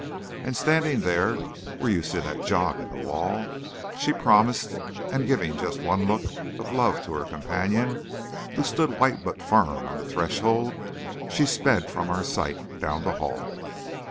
And standing there where you see that jog in the wall, she promised, and giving just one look of love to her companion, who stood white but firm on the threshold, she sped from our sight down the hall.